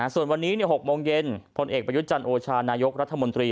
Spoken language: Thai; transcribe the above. ส่วนวันนี้๖โมงเย็นพลเอกประยุทธ์จันทร์โอชานายกรัฐมนตรี